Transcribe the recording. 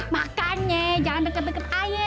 makannya jangan deket deket aja